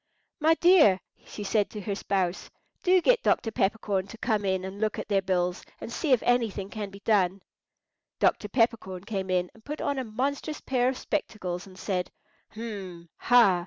"My dear," she said to her spouse, "do get Dr. Peppercorn to come in and look at their bills, and see if anything can be done." Dr. Peppercorn came in, and put on a monstrous pair of spectacles, and said, "Hum! ha!